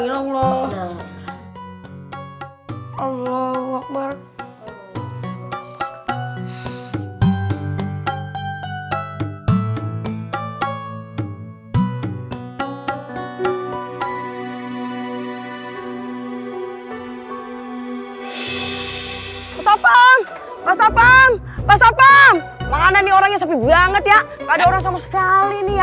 pasapam pasapam pasapam makanan orangnya sepi banget ya ada orang sama sekali nih